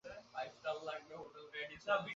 Shower ছেড়ে দিয়ে দীর্ঘ সময় গোসল করলেন।